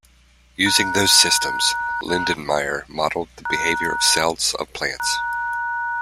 Using those systems Lindenmayer modelled the behaviour of cells of plants.